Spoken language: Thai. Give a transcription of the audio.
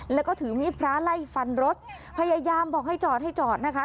แล้วก็ถือมีดพระไล่ฟันรถพยายามบอกให้จอดให้จอดนะคะ